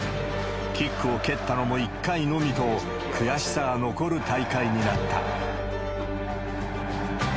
キックを蹴ったのも１回のみと、悔しさが残る大会になった。